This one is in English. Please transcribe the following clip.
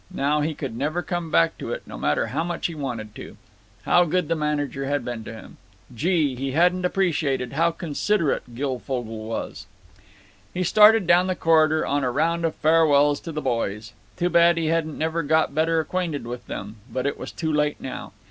Now he could never come back to it, no matter how much he wanted to…. How good the manager had been to him. Gee! he hadn't appreciated how considerut Guilfogle was! He started down the corridor on a round of farewells to the boys. "Too bad he hadn't never got better acquainted with them, but it was too late now.